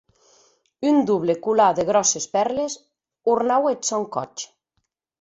Un doble colar de gròsses pèrles ornaue eth sòn còth.